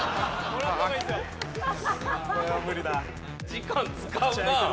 時間使うなあ。